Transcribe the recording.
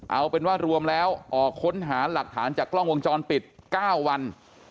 เอาเป็นว่ารวมแล้วออกค้นหาหลักฐานจากกล้องวงจรปิด๙วัน